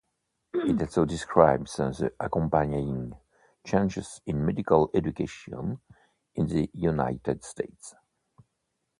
It also describes the accompanying changes in medical education in the United States.